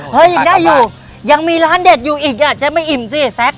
ยังได้อยู่ยังมีร้านเด็ดอยู่อีกอ่ะเจ๊ไม่อิ่มสิแซค